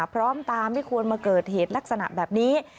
พร้อมตาไม่ควรมาเกิดเหตุลักษณะแบบนี้